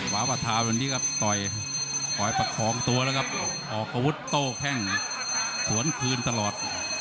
ฟ้าประธานวันนี้ครับต่อยประคองตัวแล้วครับออกกระวุธโต้แพ่งสวนคืนตลอด